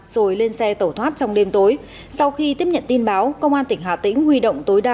rồi lên xe tẩu thoát trong đêm tối sau khi tiếp nhận tin báo công an tỉnh hà tĩnh huy động tối đa